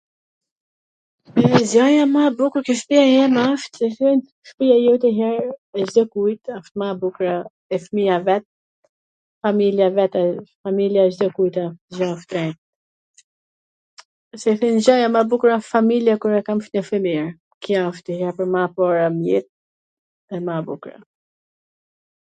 Gjaja ma e bukur ke shpija ime asht qw thojn shpija jote nj her dhe e Cdokujt asht ma e bukra e fmija i vet, familja e vet, familja e Cdokujt asht gja e shtrenjt... Gjaja ma e bukur a familja kur e kam shndosh e mir, kjo asht gjaja ma e para mir, dhe ma e bukra.